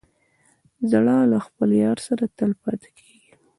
زړه د خپل یار سره تل پاتې کېږي.